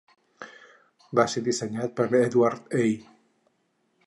Va ser dissenyat per Edward A.